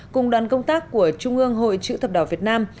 cùng đoàn công tác của trung ương hội chữ thập đỏ việt nam